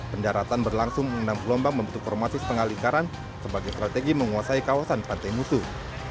pendaratan berlangsung mengendam gelombang membentuk formasi sepengal ikaran sebagai strategi menguasai kawasan pantai musuh